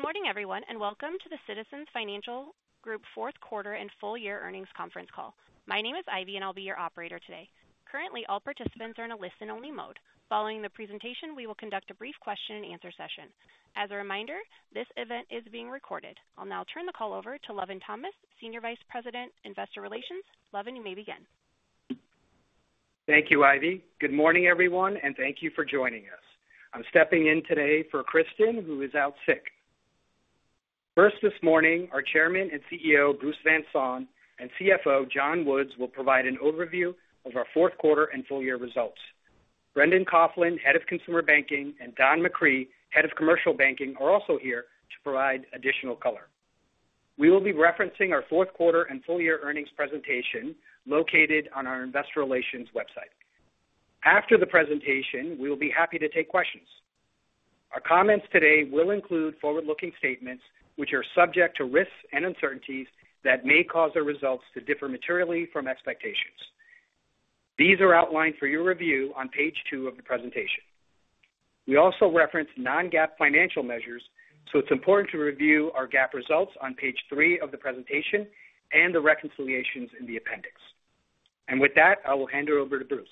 Good morning, everyone, and welcome to the Citizens Financial Group fourth quarter and full year earnings conference call. My name is Ivy, and I'll be your operator today. Currently, all participants are in a listen-only mode. Following the presentation, we will conduct a brief question-and-answer session. As a reminder, this event is being recorded. I'll now turn the call over to Lovin Thomas, Senior Vice President, Investor Relations. Lovin, you may begin. Thank you, Ivy. Good morning, everyone, and thank you for joining us. I'm stepping in today for Kristin, who is out sick. First, this morning, our Chairman and CEO, Bruce Van Saun, and CFO, John Woods, will provide an overview of our fourth quarter and full year results. Brendan Coughlin, Head of Consumer Banking, and Don McCree, Head of Commercial Banking, are also here to provide additional color. We will be referencing our fourth quarter and full year earnings presentation located on our Investor Relations website. After the presentation, we will be happy to take questions. Our comments today will include forward-looking statements, which are subject to risks and uncertainties that may cause our results to differ materially from expectations. These are outlined for your review on page two of the presentation. We also reference non-GAAP financial measures, so it's important to review our GAAP results on page three of the presentation and the reconciliations in the appendix, and with that, I will hand it over to Bruce.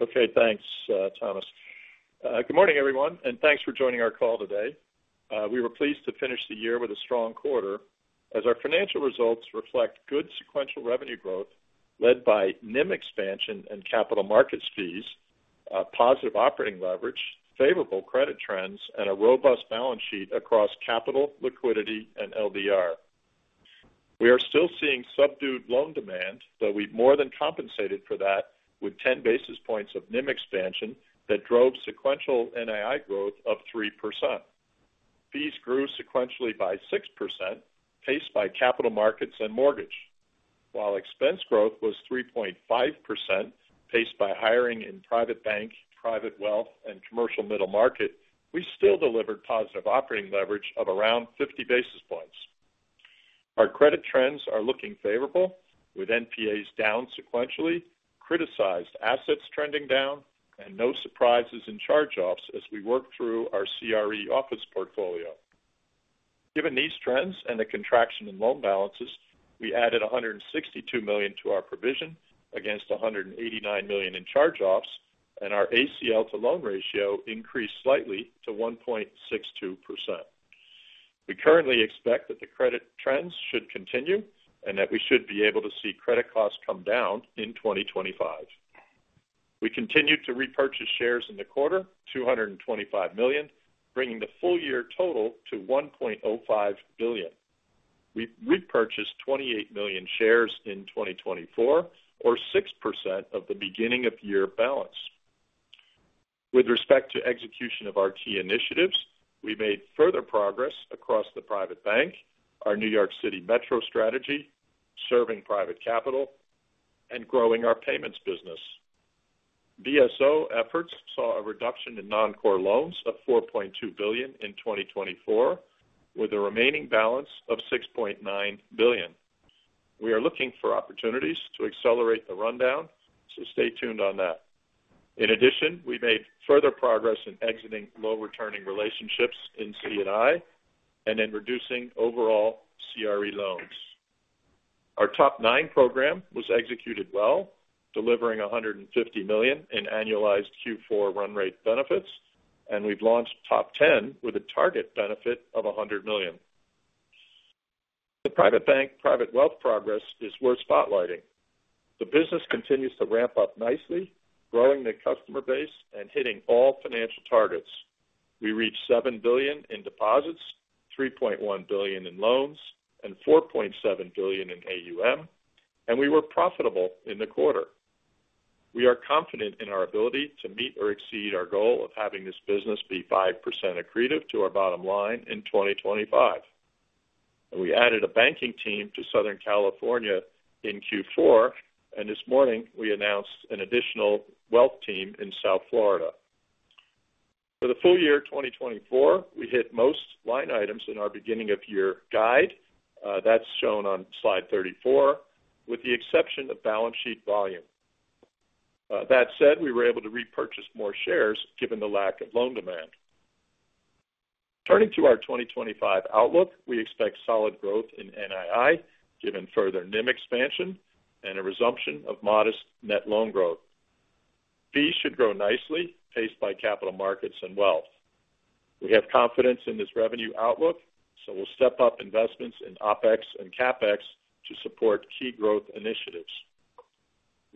Okay, thanks, Thomas. Good morning, everyone, and thanks for joining our call today. We were pleased to finish the year with a strong quarter, as our financial results reflect good sequential revenue growth led by NIM expansion and capital markets fees, positive operating leverage, favorable credit trends, and a robust balance sheet across capital, liquidity, and LDR. We are still seeing subdued loan demand, but we've more than compensated for that with 10 basis points of NIM expansion that drove sequential NII growth of 3%. Fees grew sequentially by 6%, paced by capital markets and mortgage. While expense growth was 3.5%, paced by hiring in private bank, private wealth, and commercial middle market, we still delivered positive operating leverage of around 50 basis points. Our credit trends are looking favorable, with NPAs down sequentially, criticized assets trending down, and no surprises in charge-offs as we work through our CRE office portfolio. Given these trends and the contraction in loan balances, we added $162 million to our provision against $189 million in charge-offs, and our ACL to loan ratio increased slightly to 1.62%. We currently expect that the credit trends should continue and that we should be able to see credit costs come down in 2025. We continued to repurchase shares in the quarter, $225 million, bringing the full year total to $1.05 billion. We repurchased 28 million shares in 2024, or 6% of the beginning-of-year balance. With respect to execution of our key initiatives, we made further progress across the private bank, our New York City Metro strategy, serving private capital, and growing our payments business. BSO efforts saw a reduction in non-core loans of $4.2 billion in 2024, with a remaining balance of $6.9 billion. We are looking for opportunities to accelerate the rundown, so stay tuned on that. In addition, we made further progress in exiting low-returning relationships in C&I and in reducing overall CRE loans. Our TOP 9 program was executed well, delivering $150 million in annualized Q4 run rate benefits, and we've launched TOP 10 with a target benefit of $100 million. The private bank, private wealth progress is worth spotlighting. The business continues to ramp up nicely, growing the customer base and hitting all financial targets. We reached $7 billion in deposits, $3.1 billion in loans, and $4.7 billion in AUM, and we were profitable in the quarter. We are confident in our ability to meet or exceed our goal of having this business be 5% accretive to our bottom line in 2025. We added a banking team to Southern California in Q4, and this morning we announced an additional wealth team in South Florida. For the full year 2024, we hit most line items in our beginning-of-year guide. That's shown on slide 34, with the exception of balance sheet volume. That said, we were able to repurchase more shares given the lack of loan demand. Turning to our 2025 outlook, we expect solid growth in NII given further NIM expansion and a resumption of modest net loan growth. Fees should grow nicely, paced by capital markets and wealth. We have confidence in this revenue outlook, so we'll step up investments in OPEX and CAPEX to support key growth initiatives.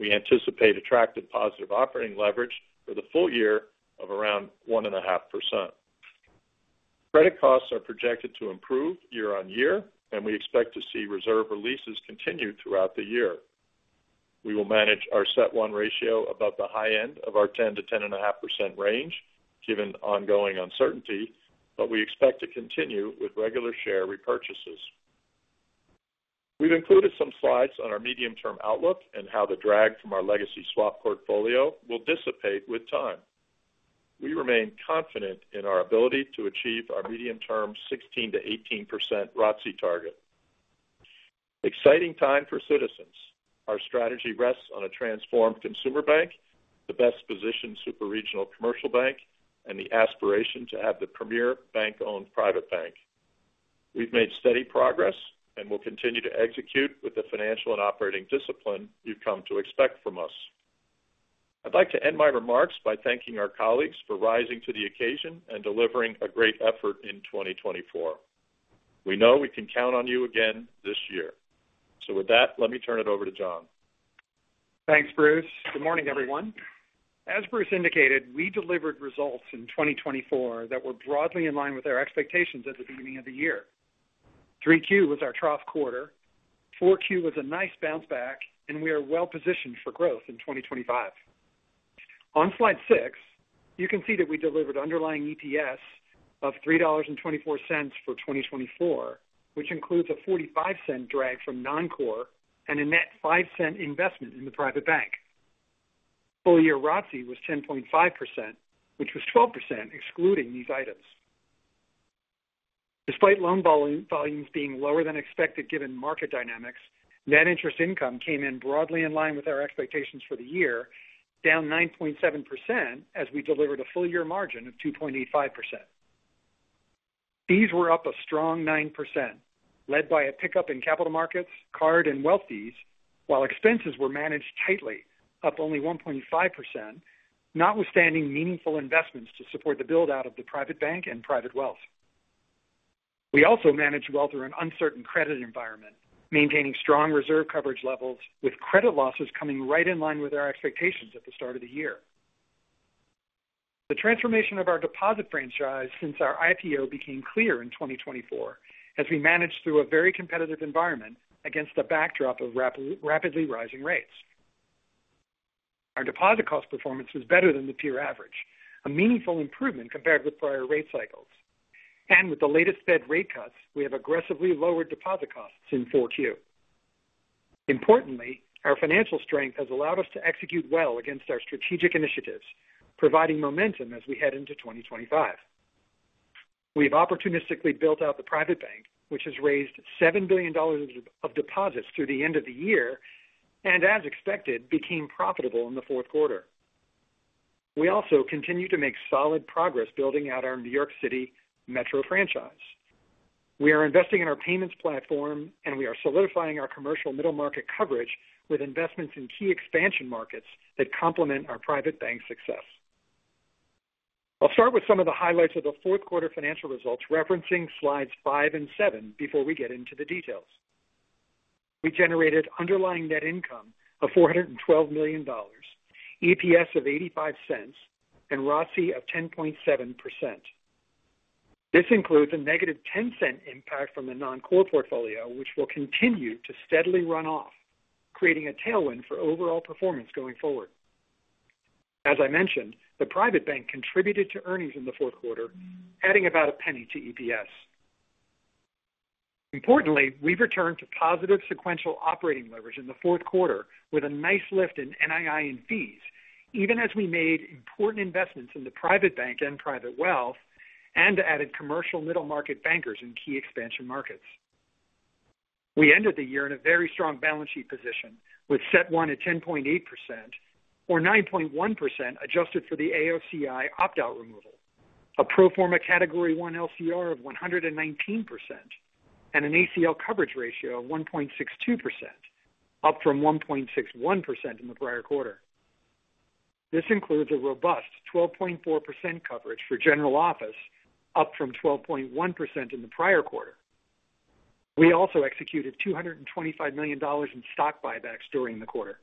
We anticipate attractive positive operating leverage for the full year of around 1.5%. Credit costs are projected to improve year-on-year, and we expect to see reserve releases continue throughout the year. We will manage our CET1 ratio above the high end of our 10%-10.5% range given ongoing uncertainty, but we expect to continue with regular share repurchases. We've included some slides on our medium-term outlook and how the drag from our legacy swap portfolio will dissipate with time. We remain confident in our ability to achieve our medium-term 16%-18% ROTCE target. Exciting time for Citizens. Our strategy rests on a transformed consumer bank, the best-positioned superregional commercial bank, and the aspiration to have the premier bank-owned private bank. We've made steady progress and will continue to execute with the financial and operating discipline you've come to expect from us. I'd like to end my remarks by thanking our colleagues for rising to the occasion and delivering a great effort in 2024. We know we can count on you again this year. So with that, let me turn it over to John. Thanks, Bruce. Good morning, everyone. As Bruce indicated, we delivered results in 2024 that were broadly in line with our expectations at the beginning of the year. 3Q was our trough quarter. 4Q was a nice bounce back, and we are well-positioned for growth in 2025. On slide six, you can see that we delivered underlying EPS of $3.24 for 2024, which includes a $0.45 drag from non-core and a net $0.05 investment in the Private Bank. Full year ROTCE was 10.5%, which was 12% excluding these items. Despite loan volumes being lower than expected given market dynamics, net interest income came in broadly in line with our expectations for the year, down 9.7% as we delivered a full year margin of 2.85%. Fees were up a strong 9%, led by a pickup in capital markets, card, and wealth fees, while expenses were managed tightly, up only 1.5%, notwithstanding meaningful investments to support the build-out of the private bank and private wealth. We also managed well through an uncertain credit environment, maintaining strong reserve coverage levels, with credit losses coming right in line with our expectations at the start of the year. The transformation of our deposit franchise since our IPO became clear in 2024, as we managed through a very competitive environment against the backdrop of rapidly rising rates. Our deposit cost performance was better than the peer average, a meaningful improvement compared with prior rate cycles. And with the latest Fed rate cuts, we have aggressively lowered deposit costs in 4Q. Importantly, our financial strength has allowed us to execute well against our strategic initiatives, providing momentum as we head into 2025. We've opportunistically built out the private bank, which has raised $7 billion of deposits through the end of the year and, as expected, became profitable in the fourth quarter. We also continue to make solid progress building out our New York City Metro franchise. We are investing in our payments platform, and we are solidifying our commercial middle market coverage with investments in key expansion markets that complement our private bank success. I'll start with some of the highlights of the fourth quarter financial results, referencing slides five and seven before we get into the details. We generated underlying net income of $412 million, EPS of $0.85, and ROTCE of 10.7%. This includes a negative $0.10 impact from the non-core portfolio, which will continue to steadily run off, creating a tailwind for overall performance going forward. As I mentioned, the private bank contributed to earnings in the fourth quarter, adding about $0.01 to EPS. Importantly, we've returned to positive sequential operating leverage in the fourth quarter, with a nice lift in NII and fees, even as we made important investments in the private bank and private wealth and added commercial middle market bankers in key expansion markets. We ended the year in a very strong balance sheet position, with CET1 at 10.8%, or 9.1% adjusted for the AOCI opt-out removal, a pro forma category one LCR of 119%, and an ACL coverage ratio of 1.62%, up from 1.61% in the prior quarter. This includes a robust 12.4% coverage for general office, up from 12.1% in the prior quarter. We also executed $225 million in stock buybacks during the quarter.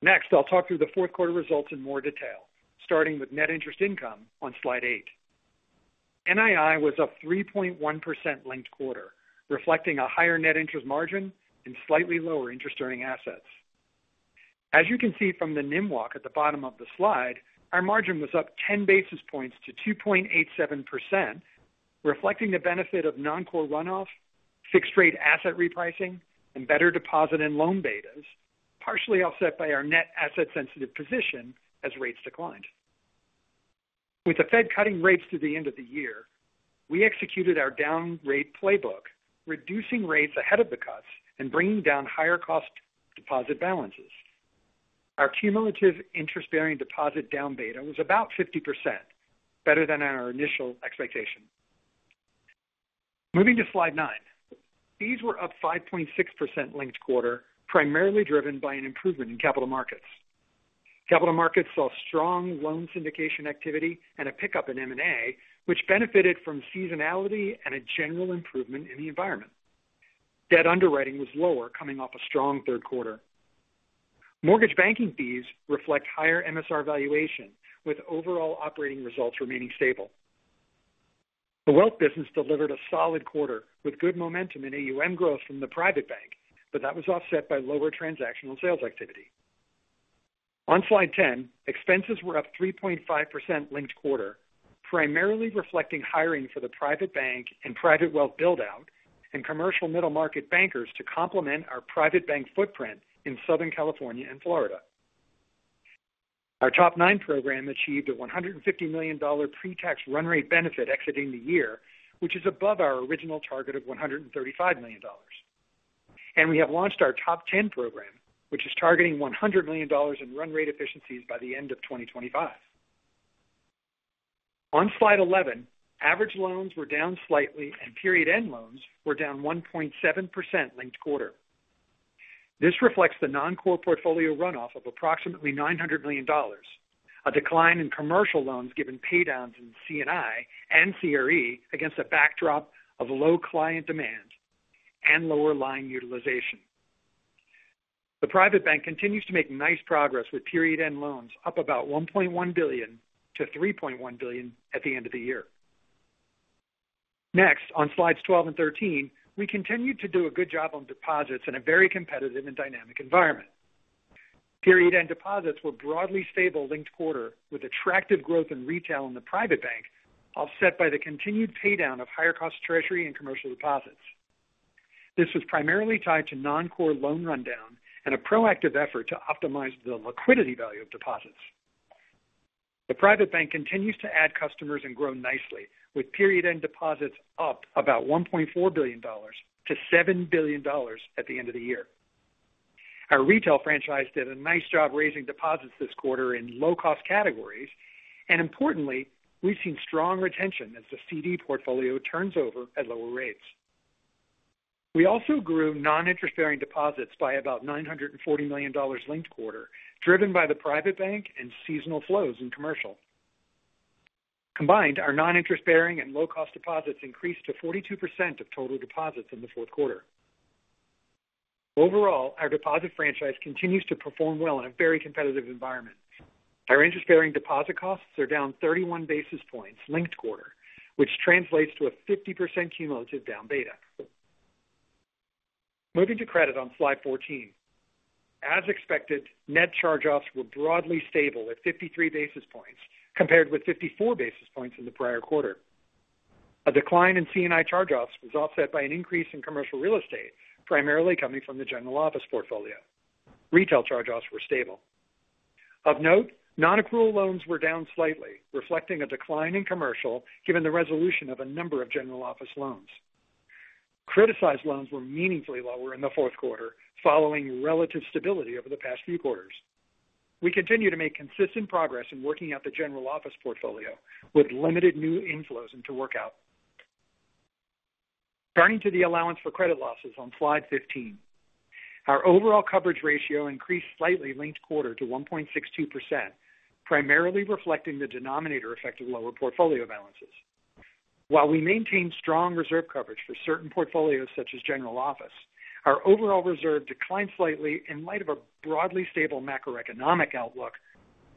Next, I'll talk through the fourth quarter results in more detail, starting with net interest income on slide eight. NII was a 3.1% linked quarter, reflecting a higher net interest margin and slightly lower interest-earning assets. As you can see from the NIM walk at the bottom of the slide, our margin was up 10 basis points to 2.87%, reflecting the benefit of non-core runoff, fixed-rate asset repricing, and better deposit and loan betas, partially offset by our net asset-sensitive position as rates declined. With the Fed cutting rates to the end of the year, we executed our down-rate playbook, reducing rates ahead of the cuts and bringing down higher-cost deposit balances. Our cumulative interest-bearing deposit down beta was about 50%, better than our initial expectation. Moving to slide nine, fees were up 5.6% linked quarter, primarily driven by an improvement in capital markets. Capital markets saw strong loan syndication activity and a pickup in M&A, which benefited from seasonality and a general improvement in the environment. Debt underwriting was lower, coming off a strong third quarter. Mortgage banking fees reflect higher MSR valuation, with overall operating results remaining stable. The wealth business delivered a solid quarter with good momentum in AUM growth from the private bank, but that was offset by lower transactional sales activity. On slide 10, expenses were up 3.5% linked quarter, primarily reflecting hiring for the private bank and private wealth build-out and commercial middle market bankers to complement our private bank footprint in Southern California and Florida. Our TOP 9 program achieved a $150 million pre-tax run rate benefit exiting the year, which is above our original target of $135 million. We have launched our TOP 10 program, which is targeting $100 million in run rate efficiencies by the end of 2025. On slide 11, average loans were down slightly and period-end loans were down 1.7% linked quarter. This reflects the non-core portfolio runoff of approximately $900 million, a decline in commercial loans given paydowns in C&I and CRE against a backdrop of low client demand and lower line utilization. The private bank continues to make nice progress with period-end loans up about $1.1 billion to $3.1 billion at the end of the year. Next, on slides 12 and 13, we continued to do a good job on deposits in a very competitive and dynamic environment. Period-end deposits were broadly stable linked quarter with attractive growth in retail in the private bank, offset by the continued paydown of higher-cost treasury and commercial deposits. This was primarily tied to non-core loan rundown and a proactive effort to optimize the liquidity value of deposits. The private bank continues to add customers and grow nicely, with period end deposits up about $1.4 billion to $7 billion at the end of the year. Our retail franchise did a nice job raising deposits this quarter in low-cost categories. And importantly, we've seen strong retention as the CD portfolio turns over at lower rates. We also grew non-interest-bearing deposits by about $940 million linked quarter, driven by the private bank and seasonal flows in commercial. Combined, our non-interest-bearing and low-cost deposits increased to 42% of total deposits in the fourth quarter. Overall, our deposit franchise continues to perform well in a very competitive environment. Our interest-bearing deposit costs are down 31 basis points linked quarter, which translates to a 50% cumulative down beta. Moving to credit on slide 14. As expected, net charge-offs were broadly stable at 53 basis points compared with 54 basis points in the prior quarter. A decline in C&I charge-offs was offset by an increase in commercial real estate, primarily coming from the general office portfolio. Retail charge-offs were stable. Of note, non-accrual loans were down slightly, reflecting a decline in commercial given the resolution of a number of general office loans. Criticized loans were meaningfully lower in the fourth quarter, following relative stability over the past few quarters. We continue to make consistent progress in working out the general office portfolio, with limited new inflows into work out. Turning to the allowance for credit losses on slide 15. Our overall coverage ratio increased slightly linked quarter to 1.62%, primarily reflecting the denominator effect of lower portfolio balances. While we maintained strong reserve coverage for certain portfolios such as general office, our overall reserve declined slightly in light of a broadly stable macroeconomic outlook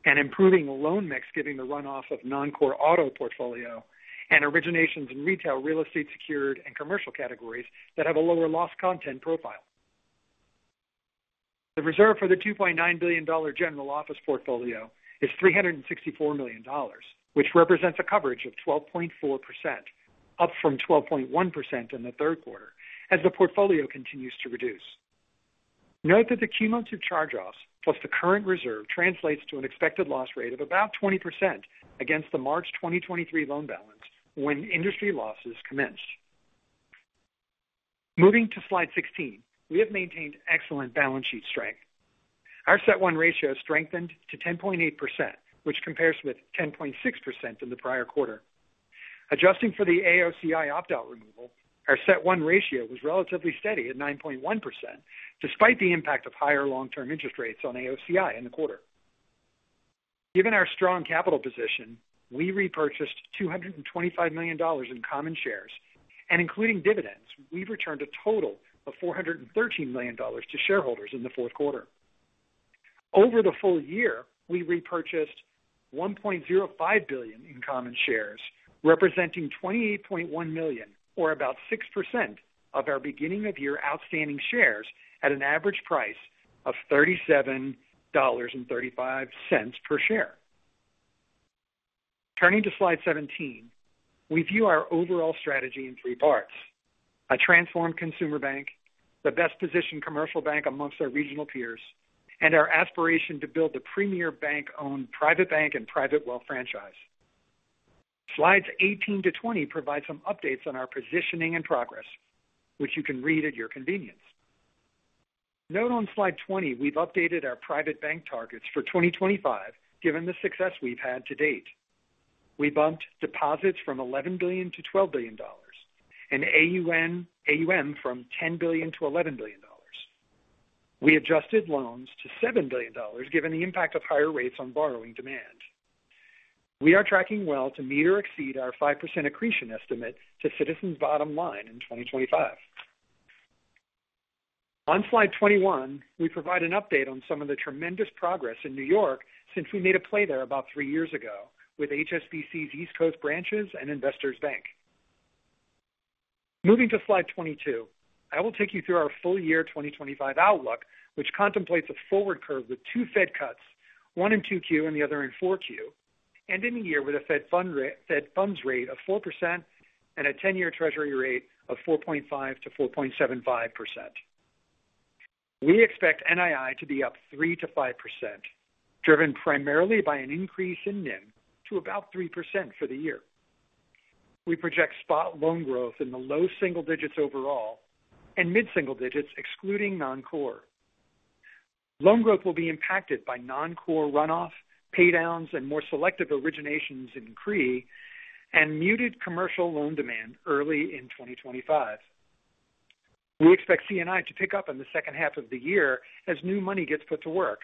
and improving loan mix giving the runoff of non-core auto portfolio and originations in retail, real estate secured, and commercial categories that have a lower loss content profile. The reserve for the $2.9 billion general office portfolio is $364 million, which represents a coverage of 12.4%, up from 12.1% in the third quarter as the portfolio continues to reduce. Note that the cumulative charge-offs plus the current reserve translates to an expected loss rate of about 20% against the March 2023 loan balance when industry losses commenced. Moving to slide 16, we have maintained excellent balance sheet strength. Our CET1 ratio strengthened to 10.8%, which compares with 10.6% in the prior quarter. Adjusting for the AOCI opt-out removal, our CET1 ratio was relatively steady at 9.1%, despite the impact of higher long-term interest rates on AOCI in the quarter. Given our strong capital position, we repurchased $225 million in common shares, and including dividends, we returned a total of $413 million to shareholders in the fourth quarter. Over the full year, we repurchased 1.05 billion in common shares, representing 28.1 million, or about 6% of our beginning-of-year outstanding shares at an average price of $37.35 per share. Turning to slide 17, we view our overall strategy in three parts: a transformed consumer bank, the best-positioned commercial bank amongst our regional peers, and our aspiration to build the premier bank-owned private bank and private wealth franchise. Slides 18 to 20 provide some updates on our positioning and progress, which you can read at your convenience. Note on slide 20, we've updated our private bank targets for 2025, given the success we've had to date. We bumped deposits from $11 billion to $12 billion and AUM from $10 billion to $11 billion. We adjusted loans to $7 billion, given the impact of higher rates on borrowing demand. We are tracking well to meet or exceed our 5% accretion estimate to Citizens' bottom line in 2025. On slide 21, we provide an update on some of the tremendous progress in New York since we made a play there about three years ago with HSBC's East Coast branches and Investors Bank. Moving to slide 22, I will take you through our full year 2025 outlook, which contemplates a forward curve with two Fed cuts, one in 2Q and the other in 4Q, ending the year with a Fed funds rate of 4% and a 10-year Treasury rate of 4.5% to 4.75%. We expect NII to be up 3% to 5%, driven primarily by an increase in NIM to about 3% for the year. We project spot loan growth in the low single digits overall and mid-single digits, excluding non-core. Loan growth will be impacted by non-core runoff, paydowns, and more selective originations in CRE and muted commercial loan demand early in 2025. We expect C&I to pick up in the second half of the year as new money gets put to work.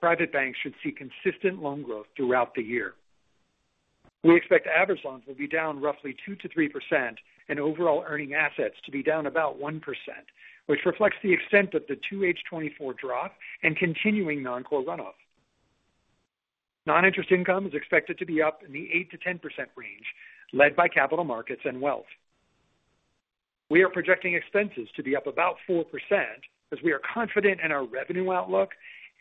Private banks should see consistent loan growth throughout the year. We expect average loans will be down roughly 2%-3% and overall earning assets to be down about 1%, which reflects the extent of the 2H24 drop and continuing non-core runoff. Non-interest income is expected to be up in the 8%-10% range, led by capital markets and wealth. We are projecting expenses to be up about 4% as we are confident in our revenue outlook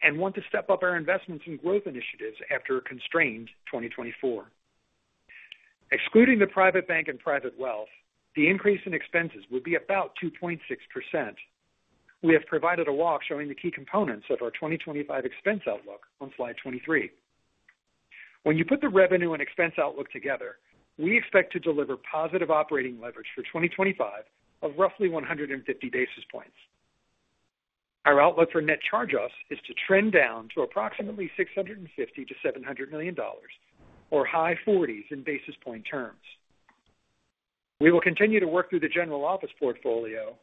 and want to step up our investments and growth initiatives after a constrained 2024. Excluding the private bank and private wealth, the increase in expenses would be about 2.6%. We have provided a walk showing the key components of our 2025 expense outlook on slide 23. When you put the revenue and expense outlook together, we expect to deliver positive operating leverage for 2025 of roughly 150 basis points. Our outlook for net charge-offs is to trend down to approximately $650 million-$700 million, or high 40s in basis point terms. We will continue to work through the general office portfolio,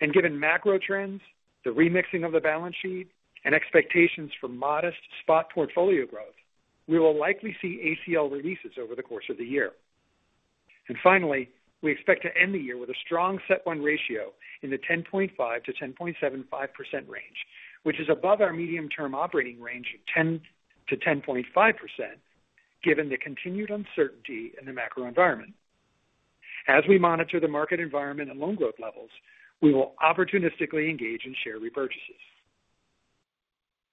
and given macro trends, the remixing of the balance sheet, and expectations for modest C&I portfolio growth, we will likely see ACL releases over the course of the year. And finally, we expect to end the year with a strong CET1 ratio in the 10.5%-10.75% range, which is above our medium-term operating range of 10%-10.5%, given the continued uncertainty in the macro environment. As we monitor the market environment and loan growth levels, we will opportunistically engage in share repurchases.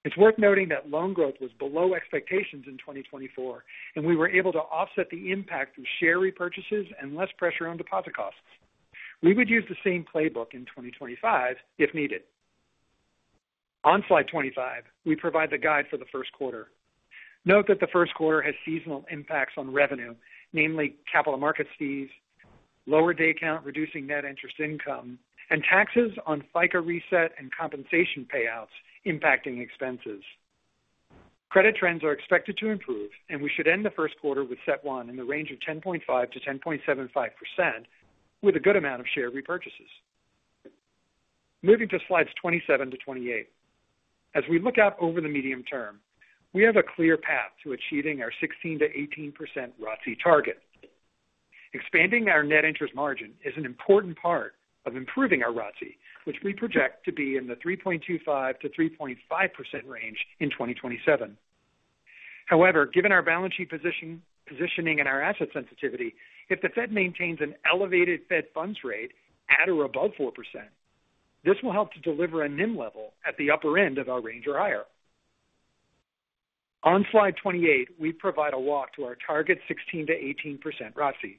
It's worth noting that loan growth was below expectations in 2024, and we were able to offset the impact through share repurchases and less pressure on deposit costs. We would use the same playbook in 2025 if needed. On slide 25, we provide the guide for the first quarter. Note that the first quarter has seasonal impacts on revenue, namely capital markets fees, lower day count reducing net interest income, and taxes on FICA reset and compensation payouts impacting expenses. Credit trends are expected to improve, and we should end the first quarter with CET1 in the range of 10.5%-10.75%, with a good amount of share repurchases. Moving to slides 27 to 28. As we look out over the medium term, we have a clear path to achieving our 16%-18% ROTCE target. Expanding our net interest margin is an important part of improving our ROTCE, which we project to be in the 3.25%-3.5% range in 2027. However, given our balance sheet positioning and our asset sensitivity, if the Fed maintains an elevated Fed funds rate at or above 4%, this will help to deliver a NIM level at the upper end of our range or higher. On slide 28, we provide a walk to our target 16%-18% ROTCE.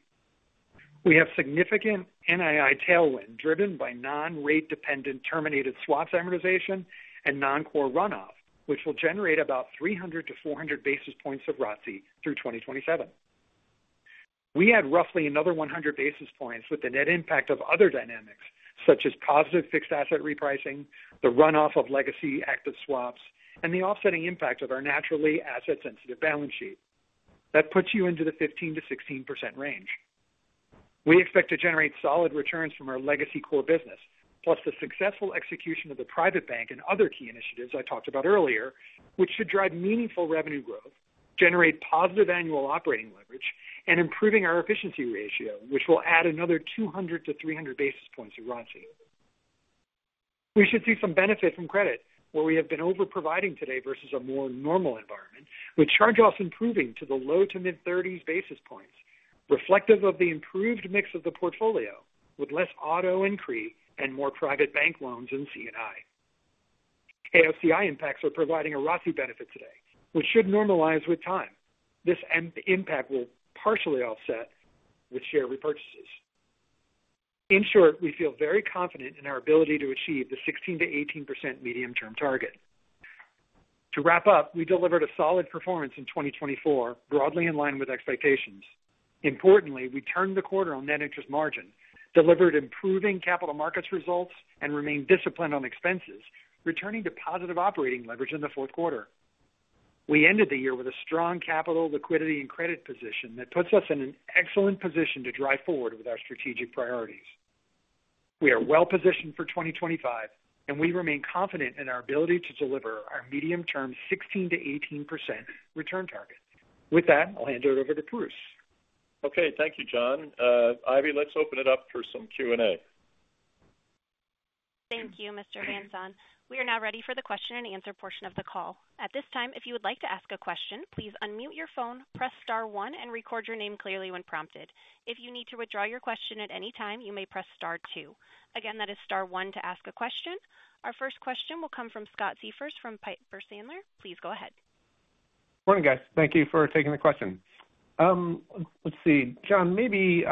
We have significant NII tailwind driven by non-rate-dependent terminated swaps amortization and non-core runoff, which will generate about 300-400 basis points of ROTCE through 2027. We add roughly another 100 basis points with the net impact of other dynamics, such as positive fixed asset repricing, the runoff of legacy active swaps, and the offsetting impact of our naturally asset-sensitive balance sheet. That puts you into the 15%-16% range. We expect to generate solid returns from our legacy core business, plus the successful execution of the private bank and other key initiatives I talked about earlier, which should drive meaningful revenue growth, generate positive annual operating leverage, and improve our efficiency ratio, which will add another 200 to 300 basis points of ROTCE. We should see some benefit from credit, where we have been over-providing today versus a more normal environment, with charge-offs improving to the low to mid-30s basis points, reflective of the improved mix of the portfolio, with less auto and CRE and more private bank loans in C&I. AOCI impacts are providing a ROTCE benefit today, which should normalize with time. This impact will partially offset with share repurchases. In short, we feel very confident in our ability to achieve the 16%-18% medium-term target. To wrap up, we delivered a solid performance in 2024, broadly in line with expectations. Importantly, we turned the quarter on net interest margin, delivered improving capital markets results, and remained disciplined on expenses, returning to positive operating leverage in the fourth quarter. We ended the year with a strong capital, liquidity, and credit position that puts us in an excellent position to drive forward with our strategic priorities. We are well-positioned for 2025, and we remain confident in our ability to deliver our medium-term 16%-18% return target. With that, I'll hand it over to Bruce. Okay, thank you, John. Ivy, let's open it up for some Q&A. Thank you, Mr. Van Saun. We are now ready for the question-and-answer portion of the call. At this time, if you would like to ask a question, please unmute your phone, press star one, and record your name clearly when prompted. If you need to withdraw your question at any time, you may press star two. Again, that is star one to ask a question. Our first question will come from Scott Siefers from Piper Sandler. Please go ahead. Morning, guys. Thank you for taking the question. Let's see. John, maybe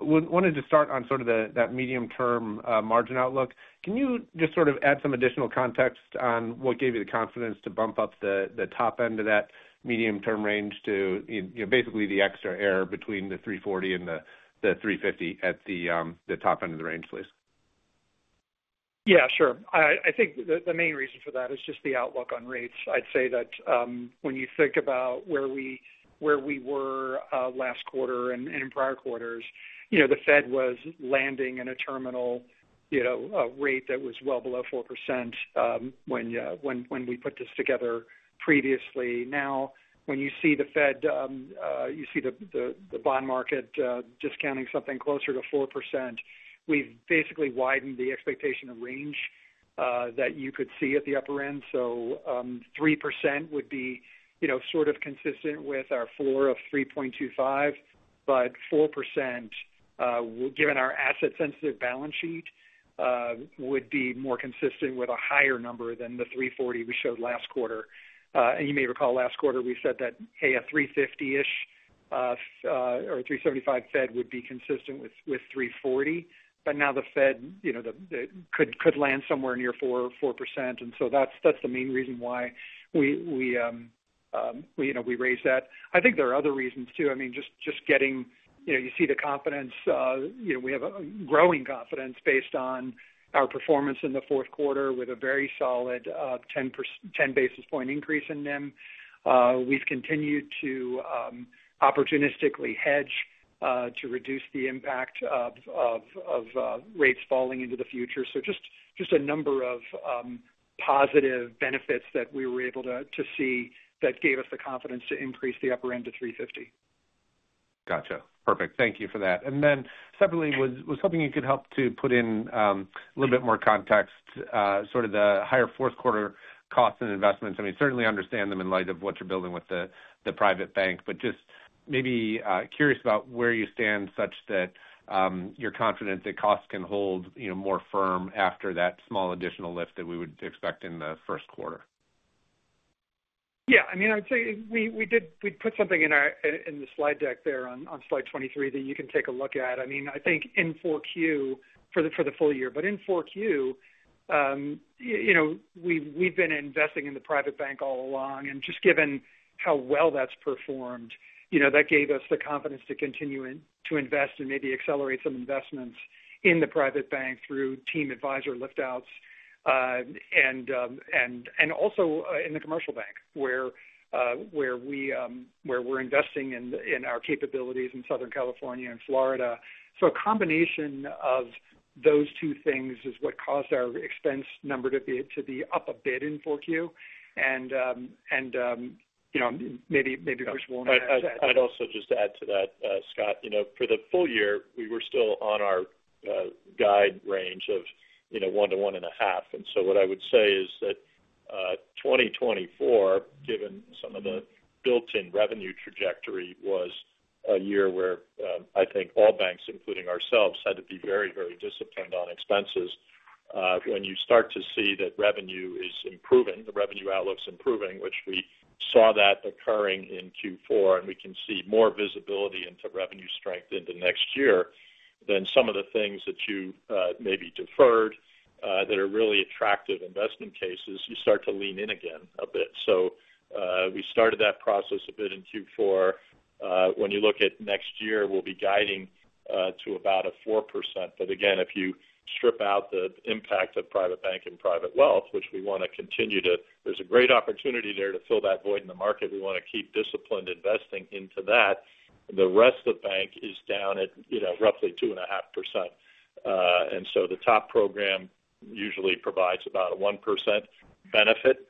wanted to start on sort of that medium-term margin outlook. Can you just sort of add some additional context on what gave you the confidence to bump up the top end of that medium-term range to basically the extra there between the 340 and the 350 at the top end of the range, please? Yeah, sure. I think the main reason for that is just the outlook on rates. I'd say that when you think about where we were last quarter and in prior quarters, the Fed was landing in a terminal rate that was well below 4% when we put this together previously. Now, when you see the Fed, you see the bond market discounting something closer to 4%, we've basically widened the expectation of range that you could see at the upper end. So 3% would be sort of consistent with our floor of 3.25, but 4%, given our asset-sensitive balance sheet, would be more consistent with a higher number than the 340 we showed last quarter. And you may recall last quarter we said that a 350-ish or 375 Fed would be consistent with 340, but now the Fed could land somewhere near 4%. And so that's the main reason why we raised that. I think there are other reasons too. I mean, just getting you see the confidence. We have a growing confidence based on our performance in the fourth quarter with a very solid 10 basis points increase in NIM. We've continued to opportunistically hedge to reduce the impact of rates falling into the future. So just a number of positive benefits that we were able to see that gave us the confidence to increase the upper end to 350. Gotcha. Perfect. Thank you for that. And then separately, I was hoping you could help to put in a little bit more context, sort of the higher fourth quarter costs and investments. I mean, certainly understand them in light of what you're building with the private bank, but just maybe curious about where you stand such that you're confident that costs can hold more firm after that small additional lift that we would expect in the first quarter. Yeah. I mean, I'd say we put something in the slide deck there on slide 23 that you can take a look at. I mean, I think in 4Q for the full year, but in 4Q, we've been investing in the private bank all along. And just given how well that's performed, that gave us the confidence to continue to invest and maybe accelerate some investments in the private bank through team advisor liftouts and also in the commercial bank where we're investing in our capabilities in Southern California and Florida. So a combination of those two things is what caused our expense number to be up a bit in 4Q. And maybe Bruce will want to add to that. I'd also just add to that, Scott. For the full year, we were still on our guide range of one to one and a half. What I would say is that 2024, given some of the built-in revenue trajectory, was a year where I think all banks, including ourselves, had to be very, very disciplined on expenses. When you start to see that revenue is improving, the revenue outlook's improving, which we saw that occurring in Q4, and we can see more visibility into revenue strength into next year, then some of the things that you maybe deferred that are really attractive investment cases, you start to lean in again a bit. We started that process a bit in Q4. When you look at next year, we'll be guiding to about a 4%. But again, if you strip out the impact of private bank and private wealth, which we want to continue to, there's a great opportunity there to fill that void in the market. We want to keep disciplined investing into that. The rest of the bank is down at roughly 2.5%. And so the TOP program usually provides about a 1% benefit.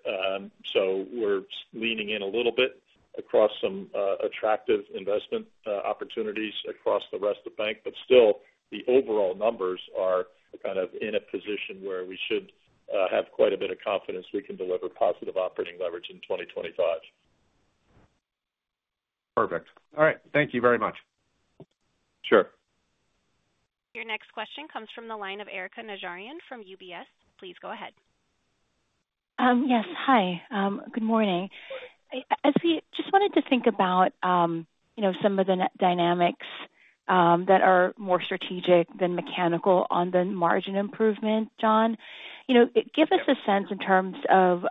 So we're leaning in a little bit across some attractive investment opportunities across the rest of the bank. But still, the overall numbers are kind of in a position where we should have quite a bit of confidence we can deliver positive operating leverage in 2025. Perfect. All right. Thank you very much. Sure. Your next question comes from the line of Erika Najarian from UBS. Please go ahead. Yes. Hi. Good morning. As we just wanted to think about some of the dynamics that are more strategic than mechanical on the margin improvement, John, give us a sense in terms of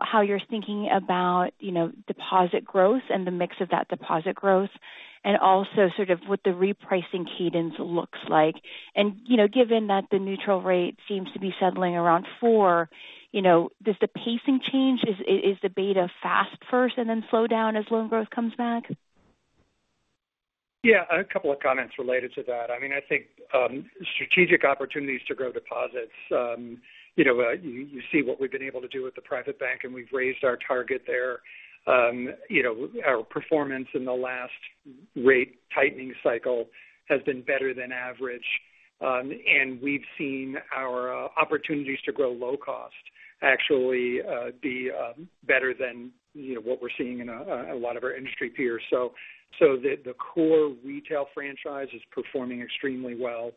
how you're thinking about deposit growth and the mix of that deposit growth, and also sort of what the repricing cadence looks like. And given that the neutral rate seems to be settling around four, does the pacing change? Is the beta fast first and then slow down as loan growth comes back? Yeah. A couple of comments related to that. I mean, I think strategic opportunities to grow deposits. You see what we've been able to do with the private bank, and we've raised our target there. Our performance in the last rate tightening cycle has been better than average. We've seen our opportunities to grow low cost actually be better than what we're seeing in a lot of our industry peers. So the core retail franchise is performing extremely well.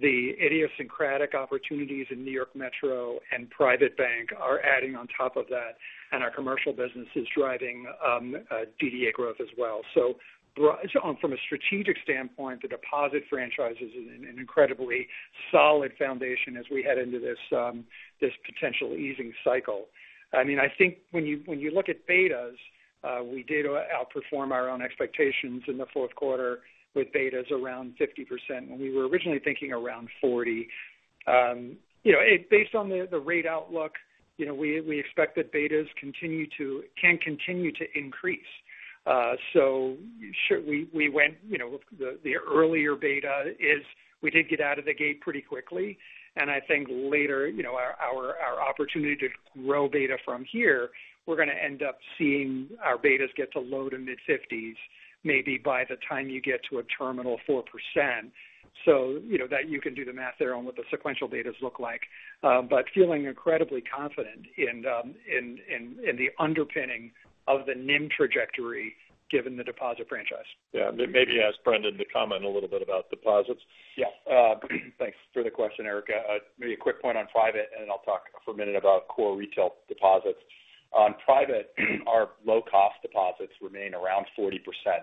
The idiosyncratic opportunities in New York Metro and private bank are adding on top of that. Our commercial business is driving DDA growth as well. So from a strategic standpoint, the deposit franchise is an incredibly solid foundation as we head into this potential easing cycle. I mean, I think when you look at betas, we did outperform our own expectations in the fourth quarter with betas around 50% when we were originally thinking around 40. Based on the rate outlook, we expect that betas can continue to increase. So we went with the earlier beta. We did get out of the gate pretty quickly. I think later our opportunity to grow beta from here, we're going to end up seeing our betas get to low-to-mid 50s, maybe by the time you get to a terminal 4%. So that you can do the math there on what the sequential betas look like, but feeling incredibly confident in the underpinning of the NIM trajectory given the deposit franchise. Yeah. Maybe ask Brendan to comment a little bit about deposits. Yeah. Thanks for the question, Erica. Maybe a quick point on private, and then I'll talk for a minute about core retail deposits. On private, our low-cost deposits remain around 40%,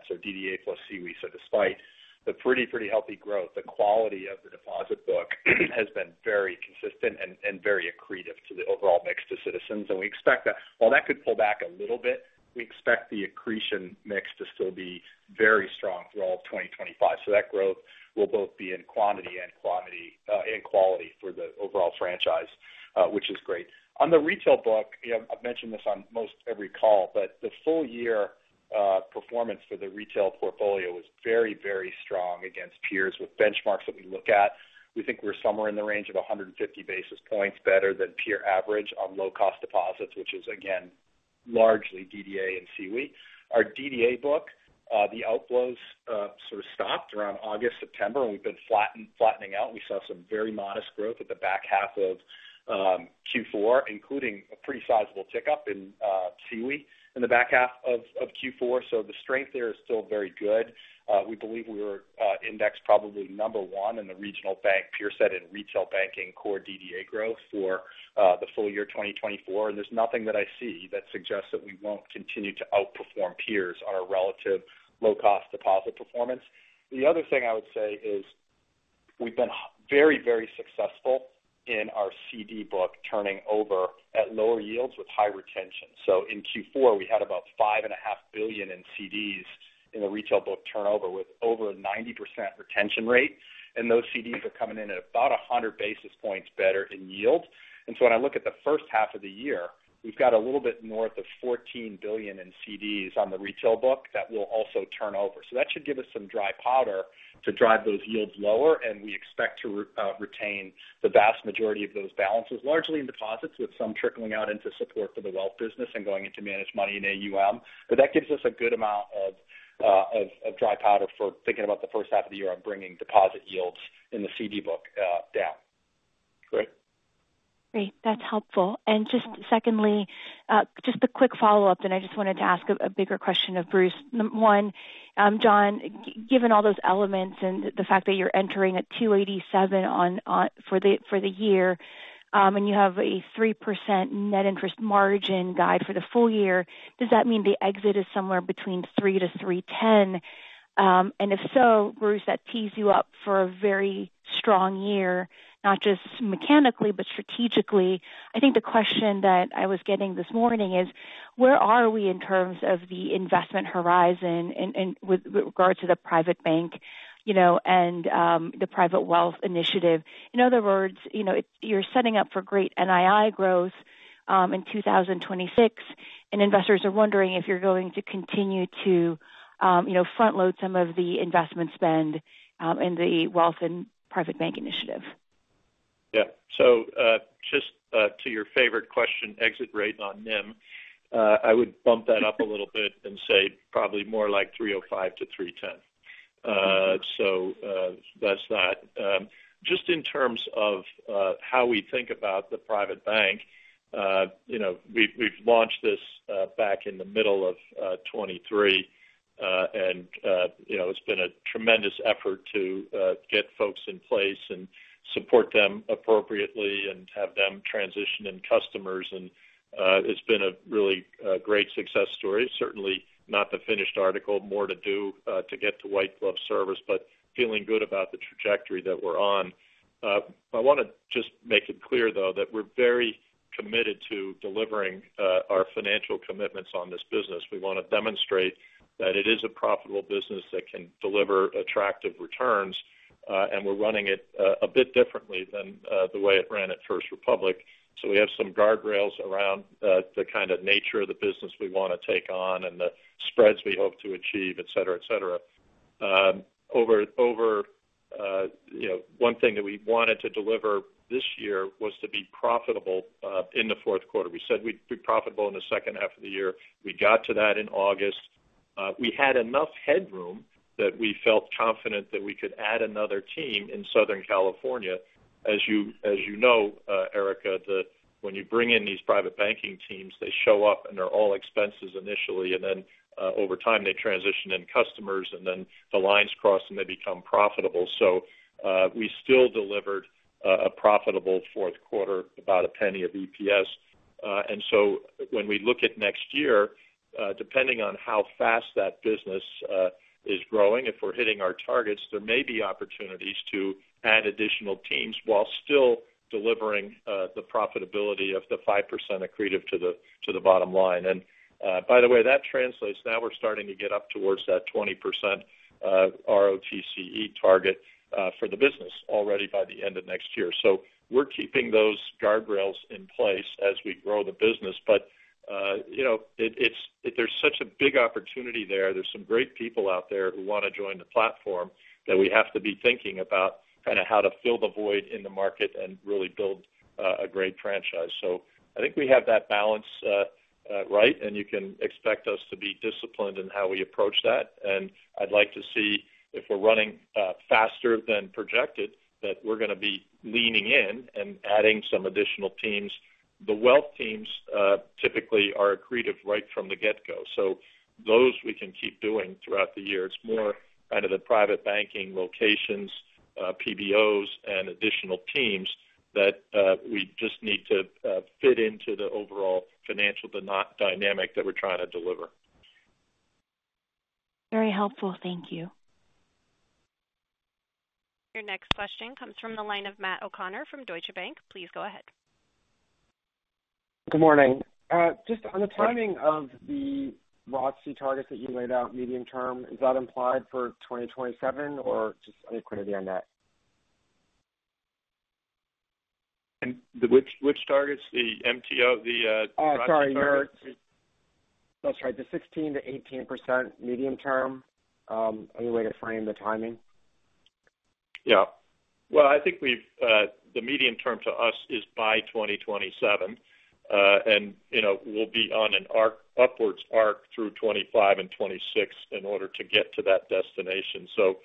so DDA plus CWE. So despite the pretty, pretty healthy growth, the quality of the deposit book has been very consistent and very accretive to the overall mix to Citizens. And we expect that while that could pull back a little bit, we expect the accretion mix to still be very strong throughout 2025. So that growth will both be in quantity and quality for the overall franchise, which is great. On the retail book, I've mentioned this on most every call, but the full-year performance for the retail portfolio was very, very strong against peers with benchmarks that we look at. We think we're somewhere in the range of 150 basis points better than peer average on low-cost deposits, which is, again, largely DDA and CWE. Our DDA book, the outflows sort of stopped around August, September, and we've been flattening out. We saw some very modest growth at the back half of Q4, including a pretty sizable tick up in CWE in the back half of Q4. So the strength there is still very good. We believe we were indexed probably number one in the regional bank peer set in retail banking core DDA growth for the full year 2024. And there's nothing that I see that suggests that we won't continue to outperform peers on our relative low-cost deposit performance. The other thing I would say is we've been very, very successful in our CD book turning over at lower yields with high retention. So in Q4, we had about $5.5 billion in CDs in the retail book turnover with over a 90% retention rate. And those CDs are coming in at about 100 basis points better in yield. And so when I look at the first half of the year, we've got a little bit north of $14 billion in CDs on the retail book that will also turn over. So that should give us some dry powder to drive those yields lower. We expect to retain the vast majority of those balances, largely in deposits, with some trickling out into support for the wealth business and going into managed money in AUM. But that gives us a good amount of dry powder for thinking about the first half of the year on bringing deposit yields in the CD book down. Great. Great. That's helpful. And just secondly, just a quick follow-up, then I just wanted to ask a bigger question of Bruce. One, John, given all those elements and the fact that you're entering at 287 for the year and you have a 3% net interest margin guide for the full year, does that mean the exit is somewhere between 3%-3.10%? And if so, Bruce, that tees you up for a very strong year, not just mechanically, but strategically. I think the question that I was getting this morning is, where are we in terms of the investment horizon with regards to the private bank and the private wealth initiative? In other words, you're setting up for great NII growth in 2026, and investors are wondering if you're going to continue to front-load some of the investment spend in the wealth and private bank initiative. Yeah. So just to your favorite question, exit rate on NIM, I would bump that up a little bit and say probably more like 305-310. So that's that. Just in terms of how we think about the private bank, we've launched this back in the middle of 2023, and it's been a tremendous effort to get folks in place and support them appropriately and have them transition in customers, and it's been a really great success story. Certainly not the finished article, more to do to get to white-glove service, but feeling good about the trajectory that we're on. I want to just make it clear, though, that we're very committed to delivering our financial commitments on this business. We want to demonstrate that it is a profitable business that can deliver attractive returns. And we're running it a bit differently than the way it ran at First Republic. So we have some guardrails around the kind of nature of the business we want to take on and the spreads we hope to achieve, etc., etc. One thing that we wanted to deliver this year was to be profitable in the fourth quarter. We said we'd be profitable in the second half of the year. We got to that in August. We had enough headroom that we felt confident that we could add another team in Southern California. As you know, Erica, when you bring in these private banking teams, they show up and they're all expenses initially, and then over time, they transition in customers, and then the lines cross and they become profitable, so we still delivered a profitable fourth quarter, about $0.01 of EPS. When we look at next year, depending on how fast that business is growing, if we're hitting our targets, there may be opportunities to add additional teams while still delivering the profitability of the 5% accretive to the bottom line. By the way, that translates now we're starting to get up towards that 20% ROTCE target for the business already by the end of next year, so we're keeping those guardrails in place as we grow the business. But there's such a big opportunity there. There's some great people out there who want to join the platform that we have to be thinking about kind of how to fill the void in the market and really build a great franchise. So I think we have that balance right, and you can expect us to be disciplined in how we approach that. And I'd like to see if we're running faster than projected, that we're going to be leaning in and adding some additional teams. The wealth teams typically are accretive right from the get-go. So those we can keep doing throughout the year. It's more kind of the private banking locations, PBOs, and additional teams that we just need to fit into the overall financial dynamic that we're trying to deliver. Very helpful. Thank you. Your next question comes from the line of Matt O'Connor from Deutsche Bank. Please go ahead. Good morning. Just on the timing of the ROTCE targets that you laid out, medium term, is that implied for 2027 or just any quantity on that? Which targets? The MTO, the ROTCE targets? Sorry. The 16%-18% medium term. Any way to frame the timing? Yeah. Well, I think the medium term to us is by 2027. And we'll be on an upwards arc through 2025 and 2026 in order to get to that destination. So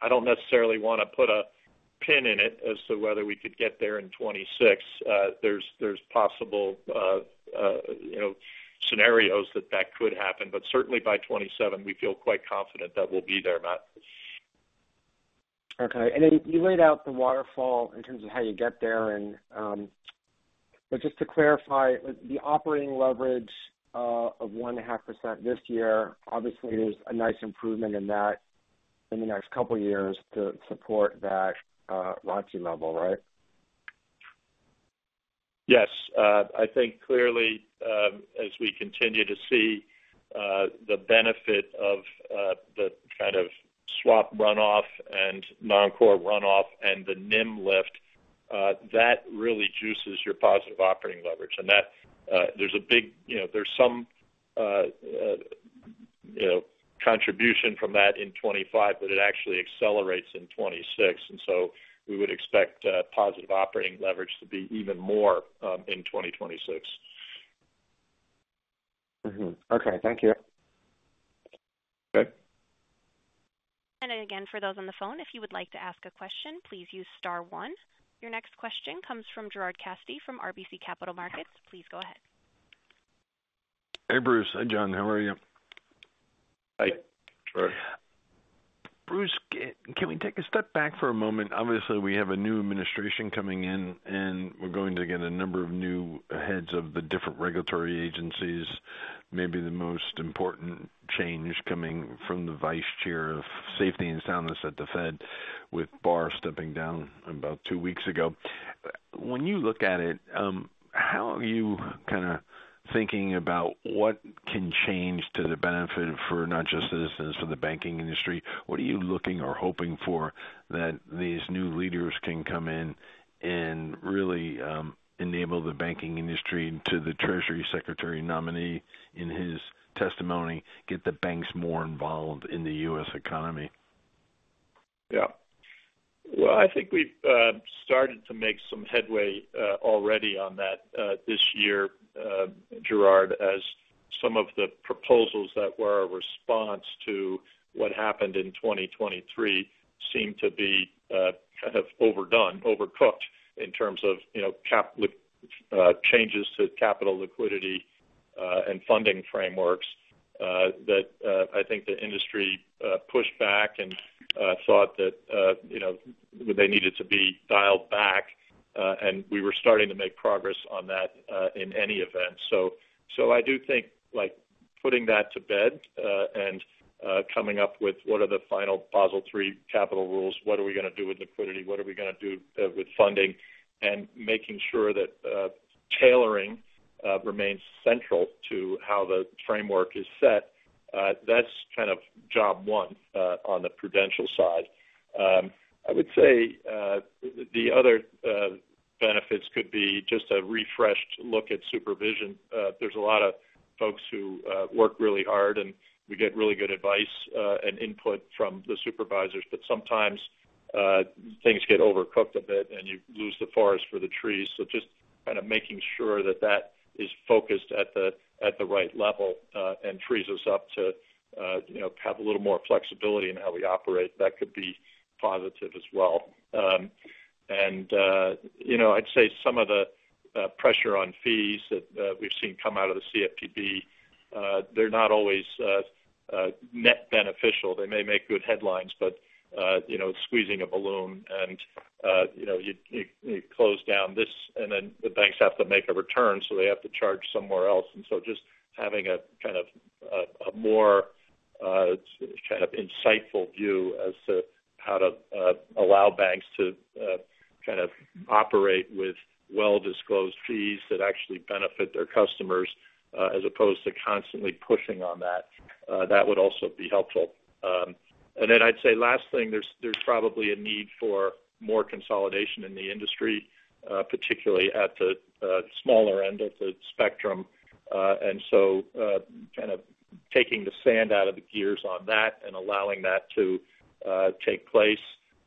I don't necessarily want to put a pin in it as to whether we could get there in 2026. There's possible scenarios that that could happen. But certainly by 2027, we feel quite confident that we'll be there, Matt. Okay. And then you laid out the waterfall in terms of how you get there. Just to clarify, the operating leverage of 1.5% this year, obviously, there's a nice improvement in that in the next couple of years to support that ROTCE level, right? Yes. I think clearly, as we continue to see the benefit of the kind of swap runoff and non-core runoff and the NIM lift, that really juices your positive operating leverage. And there's some contribution from that in 2025, but it actually accelerates in 2026. And so we would expect positive operating leverage to be even more in 2026. Okay. Thank you. Okay. And again, for those on the phone, if you would like to ask a question, please use star one. Your next question comes from Gerard Cassidy from RBC Capital Markets. Please go ahead. Hey, Bruce. Hi, John. How are you? Hi. Bruce, can we take a step back for a moment? Obviously, we have a new administration coming in, and we're going to get a number of new heads of the different regulatory agencies. Maybe the most important change coming from the vice chair of safety and soundness at the Fed, with Barr stepping down about two weeks ago. When you look at it, how are you kind of thinking about what can change to the benefit for not just Citizens, for the banking industry? What are you looking or hoping for that these new leaders can come in and really enable the banking industry to the Treasury Secretary nominee in his testimony, get the banks more involved in the U.S. economy? Yeah. I think we've started to make some headway already on that this year, Gerard, as some of the proposals that were a response to what happened in 2023 seem to be kind of overdone, overcooked in terms of changes to capital liquidity and funding frameworks that I think the industry pushed back and thought that they needed to be dialed back. We were starting to make progress on that in any event. I do think putting that to bed and coming up with what are the final Basel III capital rules, what are we going to do with liquidity, what are we going to do with funding, and making sure that tailoring remains central to how the framework is set, that's kind of job one on the prudential side. I would say the other benefits could be just a refreshed look at supervision. There's a lot of folks who work really hard, and we get really good advice and input from the supervisors. But sometimes things get overcooked a bit, and you lose the forest for the trees. So just kind of making sure that that is focused at the right level and frees us up to have a little more flexibility in how we operate, that could be positive as well. And I'd say some of the pressure on fees that we've seen come out of the CFPB, they're not always net beneficial. They may make good headlines, but it's squeezing a balloon, and you close down this, and then the banks have to make a return, so they have to charge somewhere else. And so just having a kind of a more kind of insightful view as to how to allow banks to kind of operate with well-disclosed fees that actually benefit their customers as opposed to constantly pushing on that, that would also be helpful. And then I'd say last thing, there's probably a need for more consolidation in the industry, particularly at the smaller end of the spectrum. And so kind of taking the sand out of the gears on that and allowing that to take place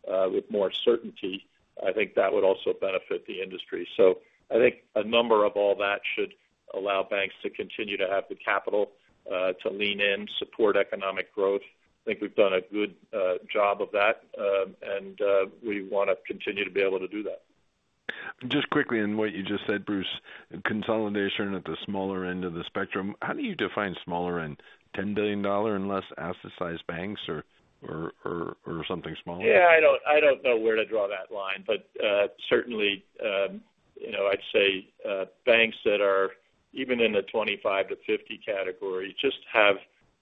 with more certainty, I think that would also benefit the industry. So I think a number of all that should allow banks to continue to have the capital to lean in, support economic growth. I think we've done a good job of that, and we want to continue to be able to do that. Just quickly on what you just said, Bruce, consolidation at the smaller end of the spectrum, how do you define smaller end? $10 billion and less asset-sized banks or something smaller? Yeah. I don't know where to draw that line, but certainly I'd say banks that are even in the $25-$50 billion category just have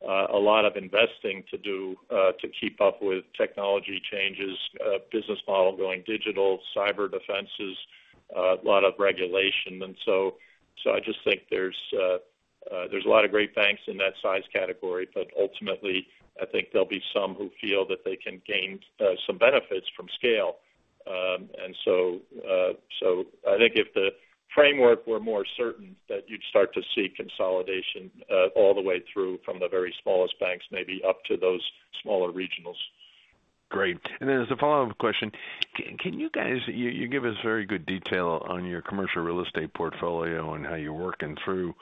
a lot of investing to do to keep up with technology changes, business model going digital, cyber defenses, a lot of regulation. And so I just think there's a lot of great banks in that size category, but ultimately, I think there'll be some who feel that they can gain some benefits from scale. And so I think if the framework were more certain, that you'd start to see consolidation all the way through from the very smallest banks, maybe up to those smaller regionals. Great. And then as a follow-up question, can you guys give us very good detail on your commercial real estate portfolio and how you're working through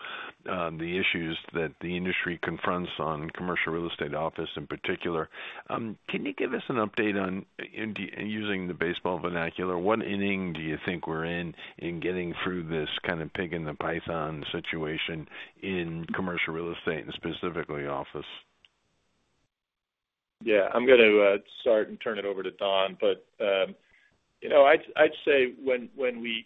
the issues that the industry confronts on commercial real estate office in particular? Can you give us an update on, using the baseball vernacular, what ending do you think we're in in getting through this kind of pig in the python situation in commercial real estate and specifically office? Yeah. I'm going to start and turn it over to Don, but I'd say when we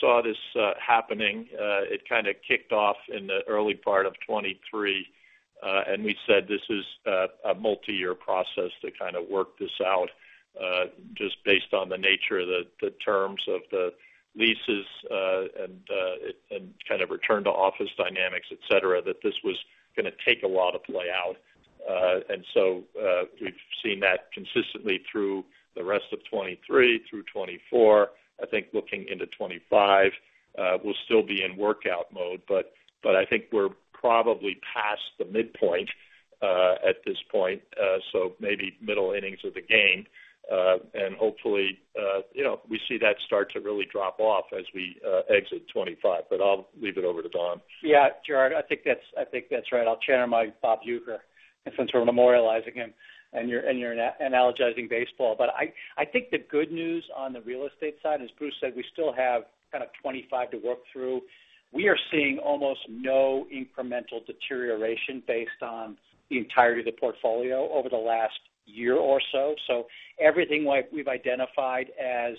saw this happening, it kind of kicked off in the early part of 2023, and we said this is a multi-year process to kind of work this out just based on the nature of the terms of the leases and kind of return to office dynamics, etc., that this was going to take a lot of play out. So we've seen that consistently through the rest of 2023 through 2024. I think looking into 2025, we'll still be in workout mode, but I think we're probably past the midpoint at this point, so maybe middle innings of the game. Hopefully, we see that start to really drop off as we exit 2025, but I'll leave it over to Don. Yeah, Gerard, I think that's right. I'll channel my Bob Uecker since we're memorializing him and you're analogizing baseball. But I think the good news on the real estate side is, Bruce said, we still have kind of 2025 to work through. We are seeing almost no incremental deterioration based on the entirety of the portfolio over the last year or so. So everything we've identified as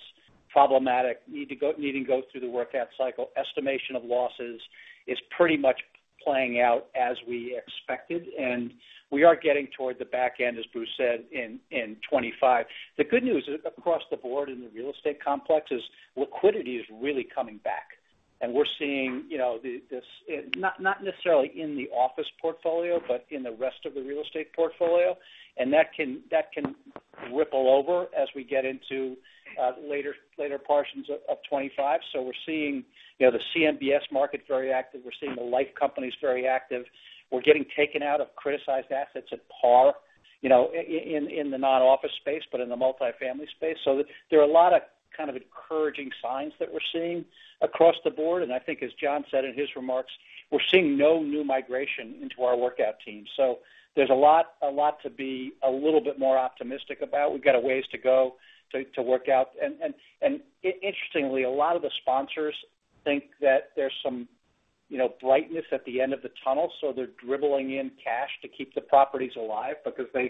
problematic, needing to go through the workout cycle, estimation of losses is pretty much playing out as we expected. We are getting toward the back end, as Bruce said, in 2025. The good news across the board in the real estate complex is liquidity is really coming back. We are seeing this not necessarily in the office portfolio, but in the rest of the real estate portfolio. That can ripple over as we get into later portions of 2025. We are seeing the CMBS market very active. We are seeing the life companies very active. We are getting taken out of criticized assets at par in the non-office space, but in the multifamily space. There are a lot of kind of encouraging signs that we are seeing across the board. I think, as John said in his remarks, we are seeing no new migration into our workout team. There is a lot to be a little bit more optimistic about. We have got a ways to go to work out. Interestingly, a lot of the sponsors think that there's some brightness at the end of the tunnel, so they're dribbling in cash to keep the properties alive because they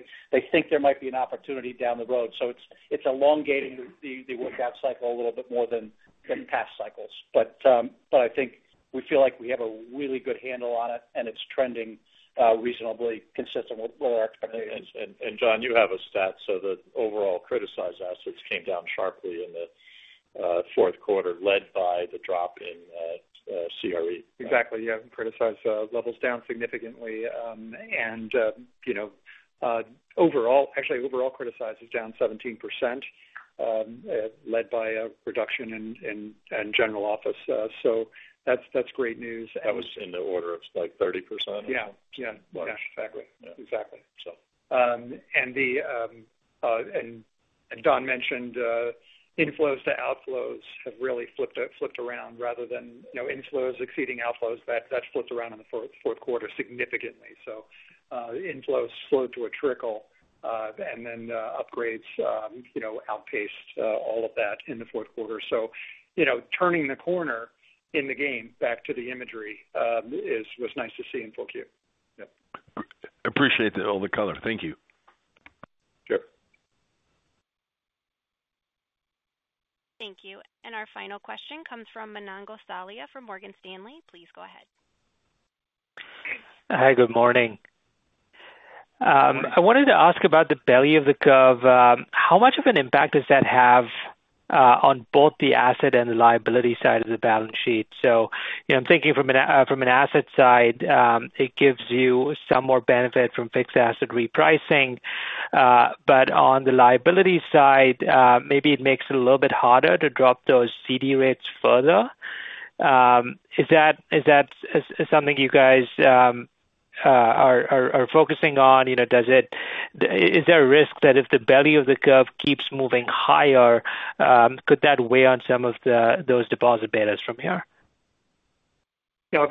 think there might be an opportunity down the road. It's elongating the workout cycle a little bit more than past cycles. I think we feel like we have a really good handle on it, and it's trending reasonably consistent with our expectations. John, you have a stat. The overall criticized assets came down sharply in the fourth quarter, led by the drop in CRE. Exactly. Yeah. Criticized levels down significantly. Actually, overall criticized is down 17%, led by a reduction in general office. That's great news. That was in the order of like 30% or something. Yeah. Yeah. Exactly. Exactly. Don mentioned inflows to outflows have really flipped around rather than inflows exceeding outflows. That's flipped around in the fourth quarter significantly. So inflows slowed to a trickle, and then outflows outpaced all of that in the fourth quarter. So turning the corner in the game back to the imagery was nice to see in Q4. Yep. Appreciate all the color. Thank you. Sure. Thank you. And our final question comes from Manan Gosalia from Morgan Stanley. Please go ahead. Hi. Good morning. I wanted to ask about the belly of the curve. How much of an impact does that have on both the asset and the liability side of the balance sheet? So I'm thinking from an asset side, it gives you some more benefit from fixed asset repricing. But on the liability side, maybe it makes it a little bit harder to drop those CD rates further. Is that something you guys are focusing on? Is there a risk that if the belly of the curve keeps moving higher, could that weigh on some of those deposit betas from here? Yeah.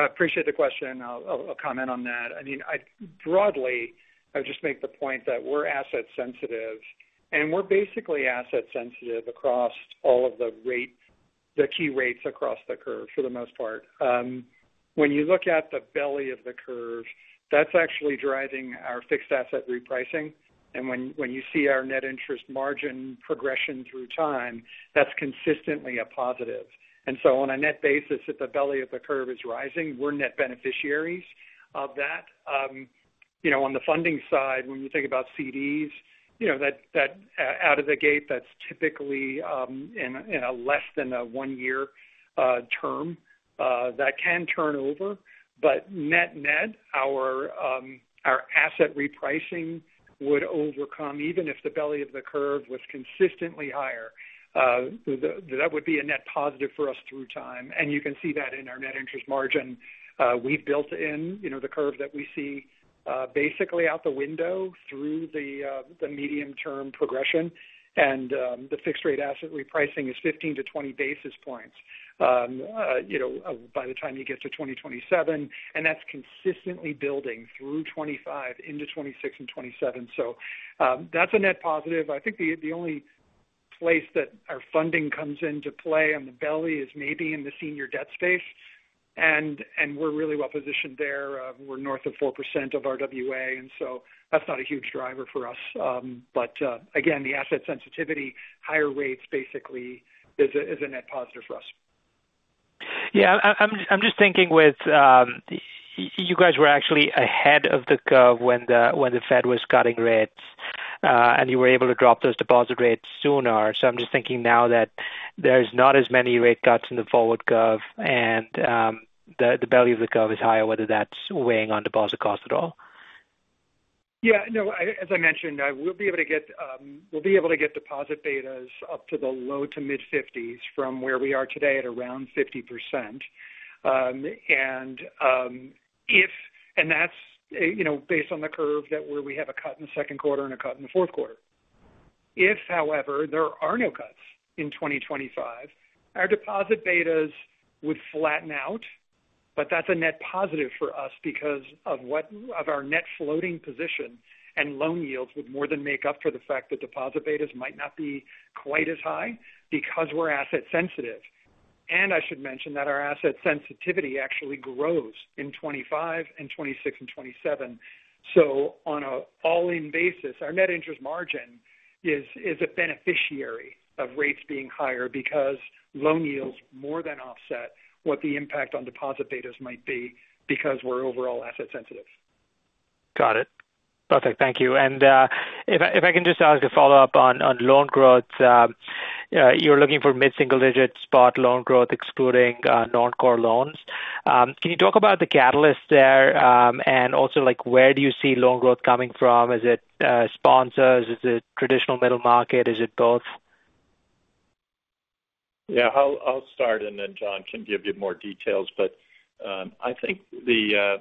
I appreciate the question. I'll comment on that. I mean, broadly, I would just make the point that we're asset-sensitive, and we're basically asset-sensitive across all of the key rates across the curve for the most part. When you look at the belly of the curve, that's actually driving our fixed asset repricing. And when you see our net interest margin progression through time, that's consistently a positive. And so on a net basis, if the belly of the curve is rising, we're net beneficiaries of that. On the funding side, when you think about CDs, that out of the gate, that's typically in a less than a one-year term. That can turn over, but net net, our asset repricing would overcome even if the belly of the curve was consistently higher. That would be a net positive for us through time. And you can see that in our net interest margin. We've built in the curve that we see basically out the window through the medium-term progression. And the fixed-rate asset repricing is 15-20 basis points by the time you get to 2027. And that's consistently building through 2025 into 2026 and 2027. So that's a net positive. I think the only place that our funding comes into play on the belly is maybe in the senior debt space. And we're really well positioned there. We're north of 4% of our WA. And so that's not a huge driver for us. But again, the asset sensitivity, higher rates basically is a net positive for us. Yeah. I'm just thinking you guys were actually ahead of the curve when the Fed was cutting rates, and you were able to drop those deposit rates sooner. So I'm just thinking now that there's not as many rate cuts in the forward curve, and the belly of the curve is higher, whether that's weighing on deposit costs at all. Yeah. No, as I mentioned, we'll be able to get deposit betas up to the low- to mid-50s% from where we are today at around 50%. And that's based on the curve where we have a cut in the second quarter and a cut in the fourth quarter. If, however, there are no cuts in 2025, our deposit betas would flatten out, but that's a net positive for us because of our net floating position, and loan yields would more than make up for the fact that deposit betas might not be quite as high because we're asset-sensitive. And I should mention that our asset sensitivity actually grows in 2025 and 2026 and 2027. So on an all-in basis, our net interest margin is a beneficiary of rates being higher because loan yields more than offset what the impact on deposit betas might be because we're overall asset-sensitive. Got it. Perfect. Thank you. And if I can just ask a follow-up on loan growth, you're looking for mid-single-digit spot loan growth excluding non-core loans. Can you talk about the catalyst there and also where do you see loan growth coming from? Is it sponsors? Is it traditional middle market? Is it both? Yeah. I'll start, and then John can give you more details. But I think we have